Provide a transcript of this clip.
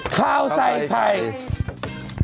ข้าวไสคลักษณ์